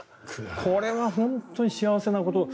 これは本当に幸せなこと。